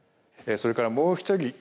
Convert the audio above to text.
それからもう一人。